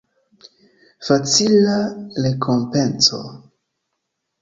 Facila rekompenco.